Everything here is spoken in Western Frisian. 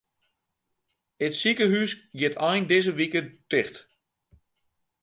It sikehús giet ein dizze wike ticht.